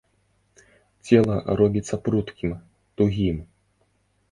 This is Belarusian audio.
Цела робіцца пруткім, тугім.